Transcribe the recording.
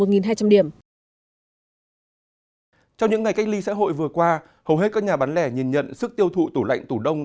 trong những ngày cách ly xã hội vừa qua hầu hết các nhà bán lẻ nhìn nhận sức tiêu thụ tủ lạnh tủ đông